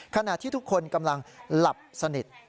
ขณะที่ทุกคนกำลังหลับสนิท